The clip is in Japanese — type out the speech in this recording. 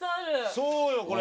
そうよこれ。